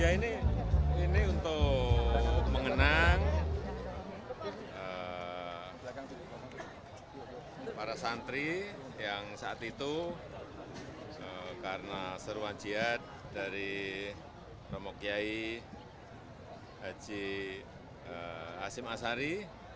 ini untuk mengenang para santri yang saat itu karena seruan jihad dari ramokyai haji hasim asari